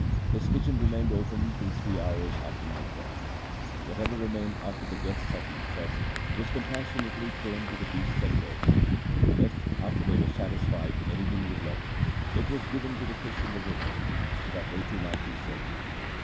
His kitchen remained open till three hours after nightfall. Whatever remained after the guests had been fed, was compassionately thrown to the beasts and birds, and if, after they were satisfied, anything were left, it was given to the fish in the river, so that they too might be filled.